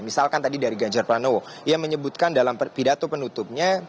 misalkan tadi dari ganjar pranowo yang menyebutkan dalam pidato penutupnya